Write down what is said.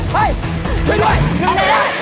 เฮ้ยช่วยด้วยไปเร็ว